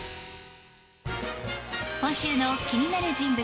今週の気になる人物